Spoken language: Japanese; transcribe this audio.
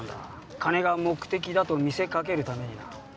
金が目的だと見せかけるためにな。